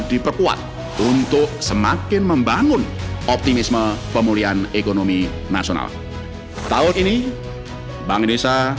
diperkuat untuk semakin membangun optimisme pemulihan ekonomi nasional tahun ini bank indonesia